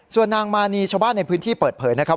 ส่วนนางมานีชาวบ้านในพื้นที่เปิดเผยนะครับ